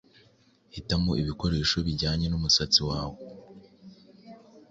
Hitamo ibikoresho bijyanye n’umusatsi wawe